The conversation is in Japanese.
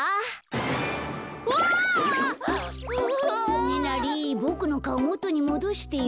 つねなりボクのかおもとにもどしてよ。